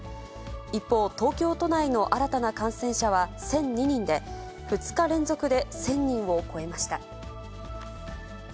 一方、東京都内の新たな感染者は１００２人で、２日連続で１０００人を超えました。